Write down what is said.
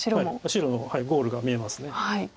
白のゴールが見えます。